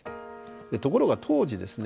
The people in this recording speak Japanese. ところが当時ですね